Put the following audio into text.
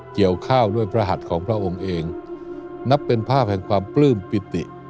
เกี่ยวข้าวด้วยพระหัสของพระองค์เองนับเป็นภาพแห่งความปลื้มปิติ